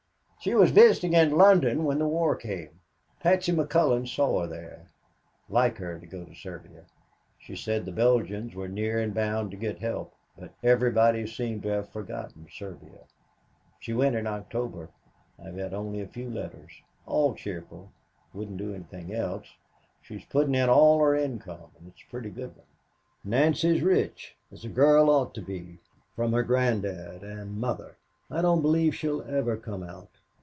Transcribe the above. "She was visiting in London when the war came. Patsy McCullon saw her there like her to go to Serbia. She said the Belgians were near and bound to get help, but everybody seemed to have forgotten Serbia. She went in October. I've had only a few letters all cheerful wouldn't do anything else she's putting in all her income and it's a pretty good one. Nancy's rich as a girl ought to be, from her granddad and mother. I don't believe she'll ever come out.